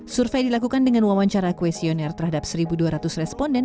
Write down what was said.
survei dilakukan dengan wawancara kuesioner terhadap satu dua ratus responden